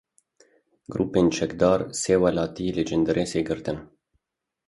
Grûpên çekdar sê welatî li Cindirêsê girtin.